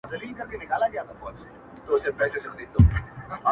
ستا په خاموشۍ کي هم کتاب کتاب خبري دي,